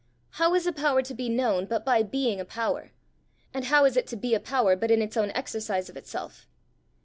How is a power to be known but by being a power, and how is it to be a power but in its own exercise of itself?